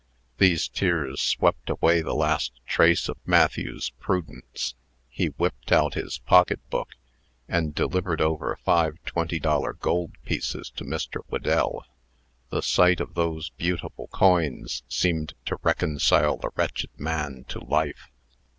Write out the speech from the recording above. These tears swept away the last trace of Matthew's prudence. He whipped out his pocket book, and delivered over five twenty dollar gold pieces to Mr. Whedell. The sight of those beautiful coins seemed to reconcile the wretched man to life.